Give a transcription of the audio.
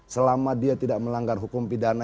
selama dia tidak melanggar hukum pidana